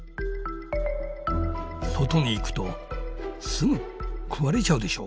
外に行くとすぐ食われちゃうでしょ